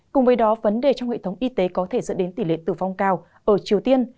cùng với đó vấn đề trong hệ thống y tế có thể dẫn đến tỷ lệ tử vong cao ở triều tiên